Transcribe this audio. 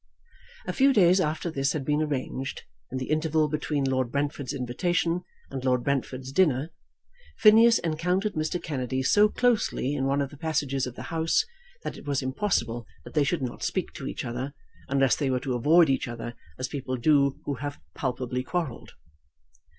A few days after this had been arranged, in the interval between Lord Brentford's invitation and Lord Brentford's dinner, Phineas encountered Mr. Kennedy so closely in one of the passages of the House that it was impossible that they should not speak to each other, unless they were to avoid each other as people do who have palpably quarrelled.